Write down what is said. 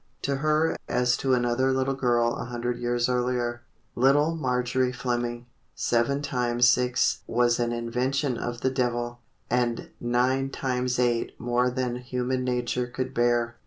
to her, as to another little girl a hundred years earlier—little Marjorie Fleming—"seven times six was an invention of the devil, and nine times eight more than human nature could bear."